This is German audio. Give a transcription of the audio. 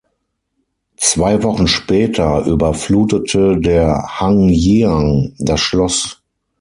Zwei Wochen später überflutete der Han Jiang das Schloss.